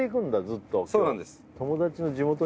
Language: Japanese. ずっとそうなんです